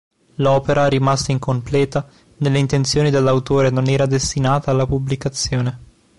L'opera, rimasta incompleta, nelle intenzioni dell'autore non era destinata alla pubblicazione.